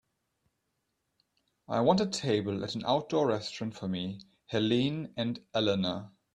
i want a table at an outdoor restaurant for me, helene and alana